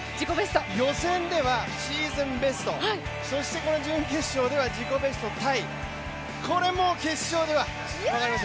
予選ではシーズンベスト、この準決勝では自己ベストタイ、これ、もう決勝では、分かります？